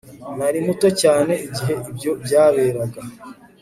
Nari muto cyane igihe ibyo byaberaga